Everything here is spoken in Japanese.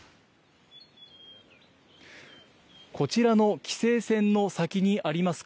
こちらの規制線の先にあります